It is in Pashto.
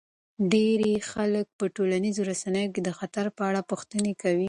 ډیری خلک په ټولنیزو رسنیو کې د خطر په اړه پوښتنې کوي.